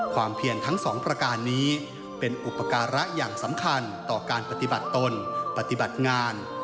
เพียงทั้งสองประการนี้เป็นอุปการะอย่างสำคัญต่อการปฏิบัติตนปฏิบัติงาน